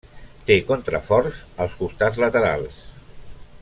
Té contraforts als costats laterals.